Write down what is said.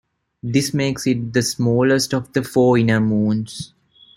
This makes it the smallest of the four inner moons.